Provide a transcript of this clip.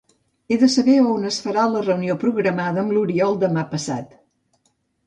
He de saber a on es farà la reunió programada amb l'Oriol demà passat.